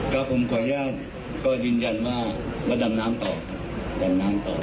ก็ผมขออนุญาตก็ยืนยันว่ามาดำน้ำต่อครับดำน้ำต่อ